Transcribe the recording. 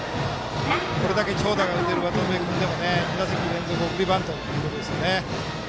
これだけ長打が出る渡邉君でも２打席連続送りバントということですよね。